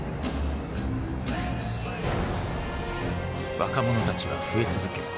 若者たちは増え続け